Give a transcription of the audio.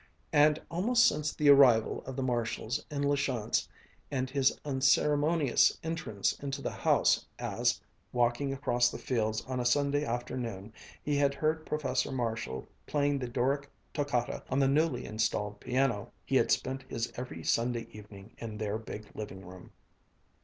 And almost since the arrival of the Marshalls in La Chance and his unceremonious entrance into the house as, walking across the fields on a Sunday afternoon, he had heard Professor Marshall playing the Doric Toccata on the newly installed piano, he had spent his every Sunday evening in their big living room.